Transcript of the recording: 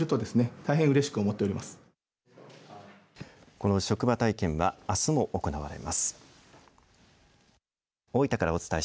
この職場体験はあすも行われます。